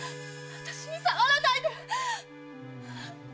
私に触らないで！